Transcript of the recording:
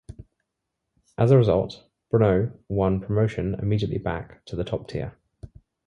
As a result, Brno won promotion immediately back to the top tier.